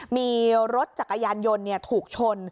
มีรถจักรยานยนต์ถูกชน